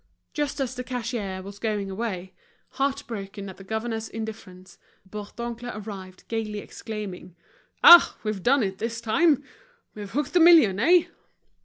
Just as the cashier was going away, heart broken at the governor's indifference, Bourdoncle arrived, gaily exclaiming: "Ah! we've done it this time. We've hooked the million, eh?"